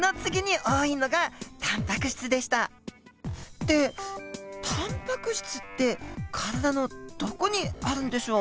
ってタンパク質って体のどこにあるんでしょう。